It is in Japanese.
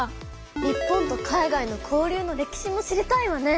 日本と海外の交流の歴史も知りたいわね。